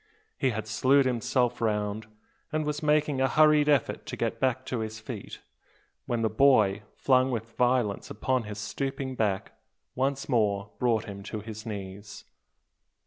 He had slewed himself round, and was making a hurried effort to get to his feet, when the boy, flung with violence upon his stooping back, once more brought him to his knees.